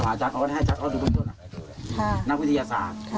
ค่ะโทษทีครึ้มสวัสดิ์นักวิทยาศาสตร์